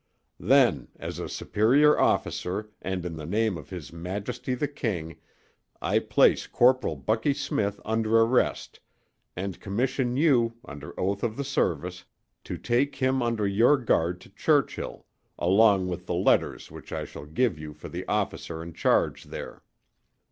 "Then, as a superior officer and in the name of his Majesty the King, I place Corporal Bucky Smith under arrest, and commission you, under oath of the service, to take him under your guard to Churchill, along with the letter which I shall give you for the officer in charge there.